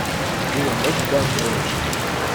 We will make them move.